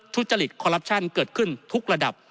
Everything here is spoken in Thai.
ทุจริตคอลลับชั่นเกิดขึ้นทุกระดับ